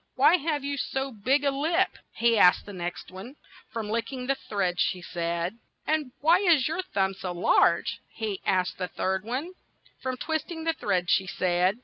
'Why have you so big a lip?" he asked the next one. "From lick ing the thread," she said. ' 'And why is your thumb so large ?" he asked the third one. "From twist ing the thread," she said.